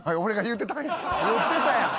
言ってたやん！